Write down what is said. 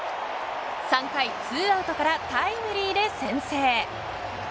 ３回２アウトからタイムリーで先制。